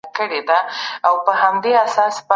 که ته مرسته غواړې نو زه به دي لیپټاپ ته فایلونه انتقال کړم.